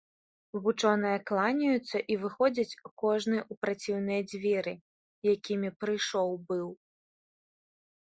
Вучоныя кланяюцца і выходзяць кожны ў праціўныя дзверы, якімі прыйшоў быў.